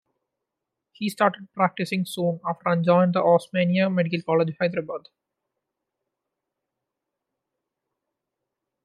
He started practising soon after and joined the "Osmania Medical College," Hyderabad.